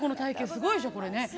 すごいでしょこれね。